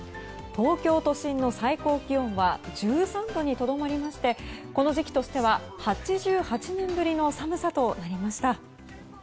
東京都心の最高気温は１３度にとどまりましてこの時期としては８８年ぶりの寒さとなりました。